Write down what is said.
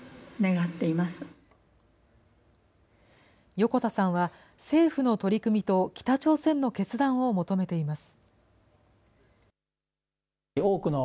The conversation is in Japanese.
横田さんは政府の取り組みと北朝鮮の決断を求めています。